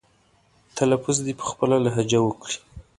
تلفظ دې په خپله لهجه وکړي.